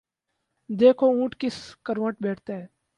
دیکھو اونٹ کس کروٹ بیٹھتا ہے ۔